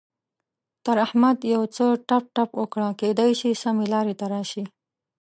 تر احمد يو څه ټپ ټپ وکړه؛ کېدای شي سمې لارې ته راشي.